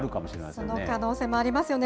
その可能性もありますよね。